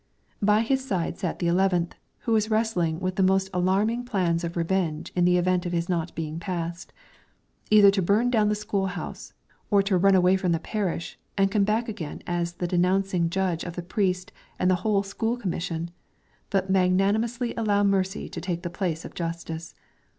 By his side sat the eleventh, who was wrestling with the most alarming plans of revenge in the event of his not being passed: either to burn down the school house, or to run away from the parish and come back again as the denouncing judge of the priest and the whole school commission, but magnanimously allow mercy to take the place of justice.